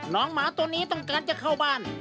หมาตัวนี้ต้องการจะเข้าบ้าน